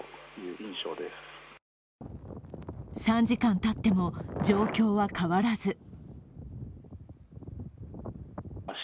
３時間たっても、状況は変わらず。